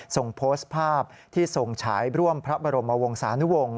ส่งโพสต์ภาพที่ทรงฉายร่วมพระบรมวงศานุวงศ์